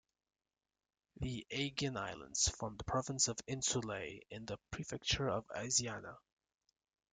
The Aegean islands formed the province of Insulae in the prefecture of Asiana.